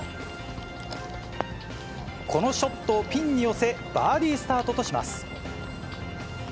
このショットをピンに寄せ、バーディースタートとします。